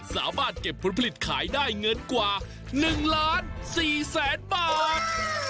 สาบาทเก็บผลผลิตขายได้เงินกว่า๑๔๐๐๐๐๐บาท